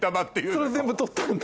それ全部取ったんだ。